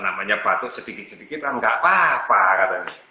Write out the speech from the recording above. namanya batuk sedikit sedikit kan tidak apa apa